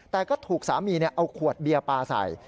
แต่ก็ถูกสามีเอาขวดเบียร์ปลาใส่